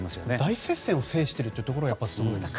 大接戦を制しているところがすごいですよね。